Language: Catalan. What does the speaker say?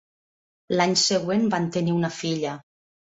L'any següent van tenir una filla.